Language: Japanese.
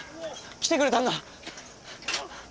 来てくれたんだ。